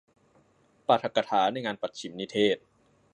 ปาฐกถาในงานปัจฉิมนิเทศ